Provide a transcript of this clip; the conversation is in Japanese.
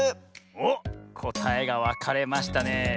おっこたえがわかれましたねえ。